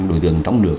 đối tượng trong nước